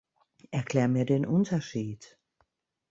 Erklär mir den Unterschied!